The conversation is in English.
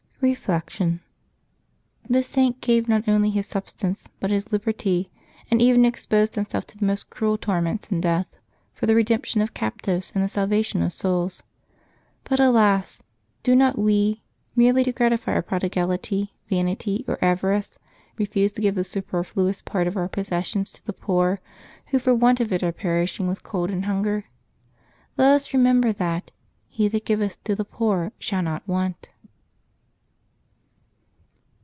Reflection. — This Saint gave not only his substance but his liberty, and even exposed himself to the most cruel torments and death, for the redemption of captives and the salvation of souls. But alas ! do not we, merely to gratify our prodigality, vanity, or avarice, refuse to give the super fluous part of our possessions to the poor, who for want of it are perishing with cold and hunger ? Let us remember that " He that giveth to the poor shall not want."